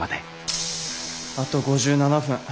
あと５７分。